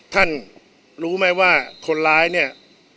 ท่านรู้ไหมว่าคนร้ายเนี่ย